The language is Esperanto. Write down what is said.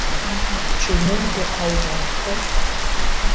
Ĉu murdo aŭ morto?